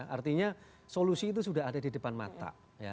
artinya solusi itu sudah ada di depan mata